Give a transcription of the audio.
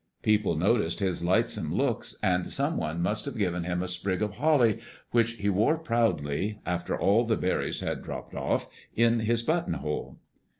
People noticed his lightsome looks, and some one must have given him a sprig of holly, which he wore proudly, after all the berries had dropped off, in his buttonhole.